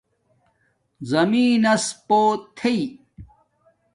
زمین نس پݸ تھݵ